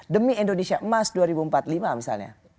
demi indonesia emas dua ribu empat puluh lima misalnya